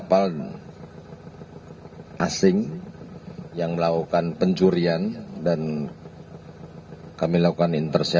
wilayah perairan indonesia ini